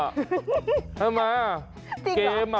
ใช่ไหมวิทย์เกม